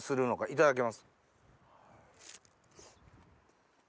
いただきます。